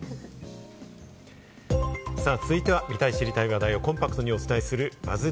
続いては見たい知りたい話題をコンパクトにお伝えするＢＵＺＺ